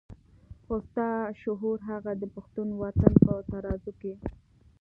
خو ستا شعور هغه د پښتون وطن په ترازو کې.